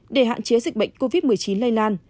để hạn chế dịch bệnh covid một mươi chín lây lan